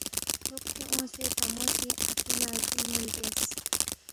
لوقسے اونگسے تا مو سی اپی لہ زِل مُول بیاس